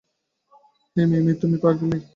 হেই, মিমি, তুমি পাগলামি করছ।